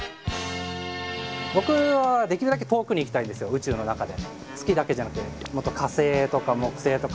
宇宙の中で。